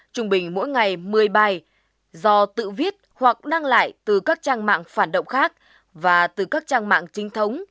trung bình mỗi ngày một mươi bài do tự viết hoặc đăng lại từ các trang mạng phản động khác và từ các trang mạng chính thống